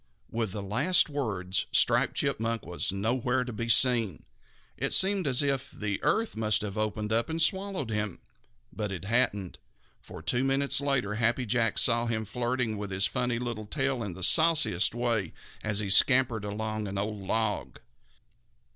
With the last words, Striped Chipmunk was nowhere to be seen. It seemed as if the earth must have opened and swallowed him. But it hadn't, for two minutes later Happy Jack saw him flirting his funny little tail in the sauciest way as he scampered along an old log.